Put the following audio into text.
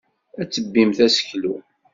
Ad tebbimt aseklu.